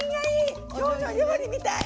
「きょうの料理」みたい！